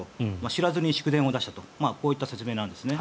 知らずに祝電を出したとこういう説明なんですね。